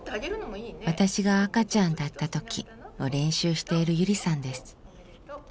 「わたしがあかちゃんだったとき」を練習しているゆりさんです。